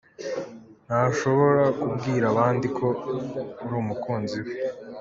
Ntashobora kubwira abandi ko uri umukunzi we.